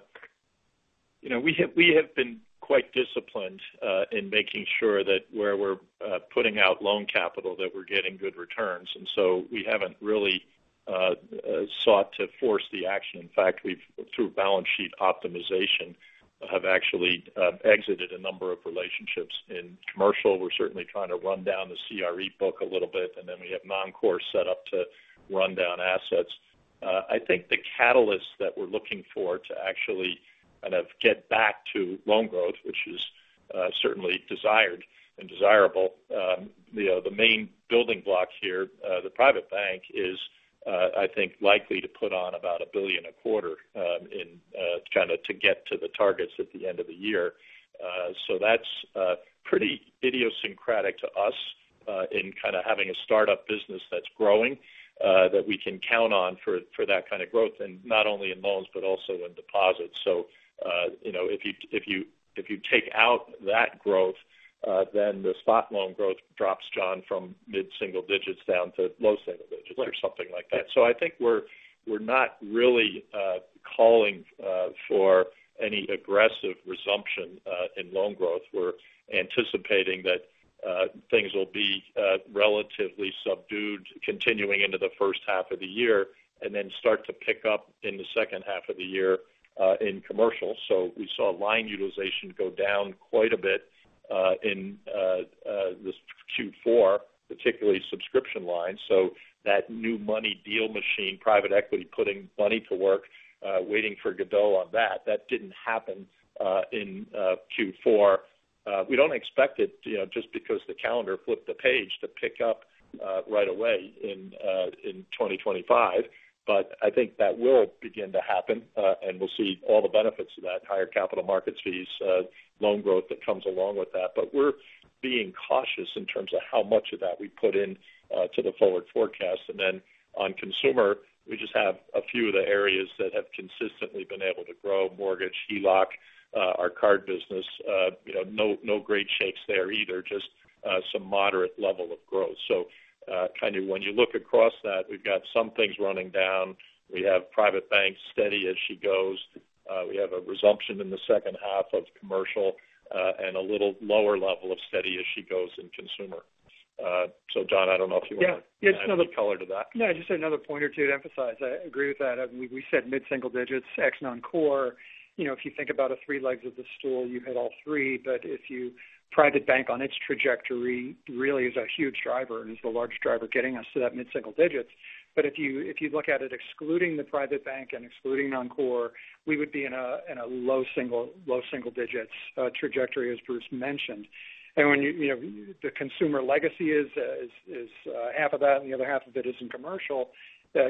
been quite disciplined in making sure that where we're putting out loan capital, that we're getting good returns. And so we haven't really sought to force the action. In fact, through balance sheet optimization, have actually exited a number of relationships in commercial. We're certainly trying to run down the CRE book a little bit, and then we have non-core set up to run down assets. I think the catalyst that we're looking for to actually kind of get back to loan growth, which is certainly desired and desirable, the main building block here, the private bank, is I think likely to put on about $1 billion a quarter kind of to get to the targets at the end of the year. That's pretty idiosyncratic to us in kind of having a startup business that's growing that we can count on for that kind of growth, and not only in loans, but also in deposits. So if you take out that growth, then the spot loan growth drops, John, from mid-single digits down to low single digits or something like that. So I think we're not really calling for any aggressive resumption in loan growth. We're anticipating that things will be relatively subdued continuing into the first half of the year and then start to pick up in the second half of the year in commercial. So we saw line utilization go down quite a bit in this Q4, particularly subscription line. So that new money deal machine, private equity putting money to work, waiting for Godot on that, that didn't happen in Q4. We don't expect it just because the calendar flipped the page to pick up right away in 2025. But I think that will begin to happen, and we'll see all the benefits of that: higher capital markets fees, loan growth that comes along with that. But we're being cautious in terms of how much of that we put into the forward forecast. And then on consumer, we just have a few of the areas that have consistently been able to grow: mortgage, HELOC, our card business. No great shakes there either, just some moderate level of growth. So kind of when you look across that, we've got some things running down. We have private banks steady as she goes. We have a resumption in the second half of commercial and a little lower level of steady as she goes in consumer. John, I don't know if you want to add color to that. Yeah. Just another point or two to emphasize. I agree with that. We said mid-single digits, ex non-core. If you think about the three legs of the stool, you hit all three. But the private bank on its trajectory really is a huge driver and is the large driver getting us to that mid-single digits. But if you look at it excluding the private bank and excluding non-core, we would be in a low single digits trajectory, as Bruce mentioned. And the consumer legacy is half of that and the other half of it is in commercial.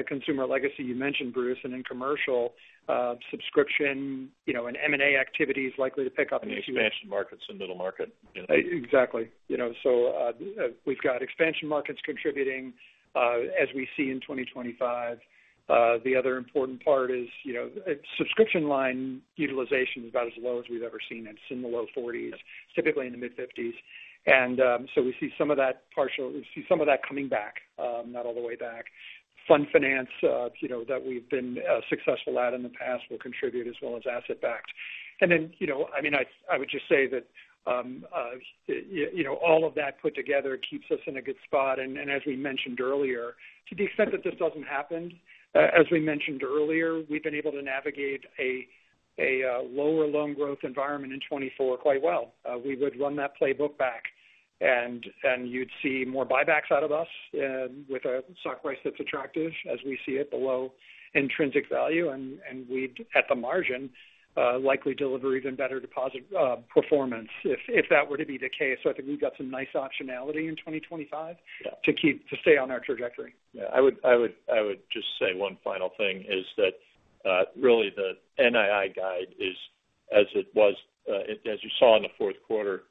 Consumer legacy, you mentioned, Bruce, and in commercial, subscription and M&A activity is likely to pick up in a few weeks. Expansion markets and middle market. Exactly. We've got expansion markets contributing as we see in 2025. The other important part is subscription line utilization is about as low as we've ever seen. It's in the low 40s, typically in the mid-50s. And so we see some of that coming back, not all the way back. Fund finance that we've been successful at in the past will contribute as well as asset-backed. And then, I mean, I would just say that all of that put together keeps us in a good spot. And as we mentioned earlier, to the extent that this doesn't happen, as we mentioned earlier, we've been able to navigate a lower loan growth environment in 2024 quite well. We would run that playbook back, and you'd see more buybacks out of us with a stock price that's attractive as we see it below intrinsic value. And we'd, at the margin, likely deliver even better deposit performance if that were to be the case. So I think we've got some nice optionality in 2025 to stay on our trajectory. Yeah. I would just say one final thing is that really the NII guide is, as it was, as you saw in the fourth quarter,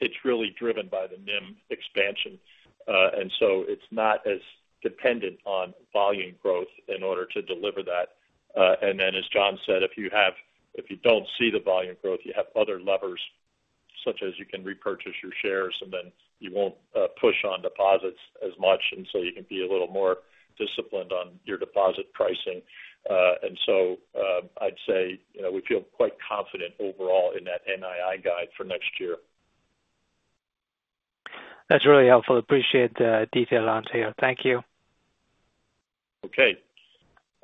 it's really driven by the NIM expansion. And so it's not as dependent on volume growth in order to deliver that. And then, as John said, if you don't see the volume growth, you have other levers such as you can repurchase your shares, and then you won't push on deposits as much. And so you can be a little more disciplined on your deposit pricing. And so I'd say we feel quite confident overall in that NII guide for next year. That's really helpful. Appreciate the detail on here. Thank you. Okay.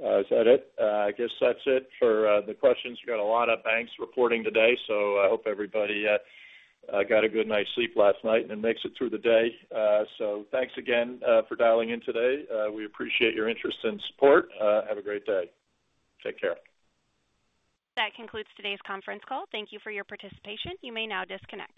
That's it. I guess that's it for the questions. We've got a lot of banks reporting today. So I hope everybody got a good night's sleep last night and makes it through the day. So thanks again for dialing in today. We appreciate your interest and support. Have a great day. Take care. That concludes today's conference call. Thank you for your participation. You may now disconnect.